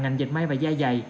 ngành dẹp may và da dày